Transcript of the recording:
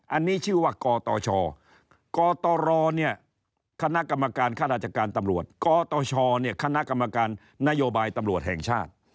อันนี้ชื่อว่ากตชกตรเนี่ยคณะกรรมการค่าราชการตำรวจกตชเนี่ยคณะกรรมการนโยบายตำรวจแห่งชาติ